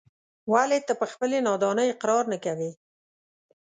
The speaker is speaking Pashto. ولې ته په خپلې نادانۍ اقرار نه کوې.